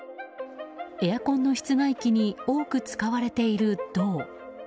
エアコンの室外機に多く使われている銅。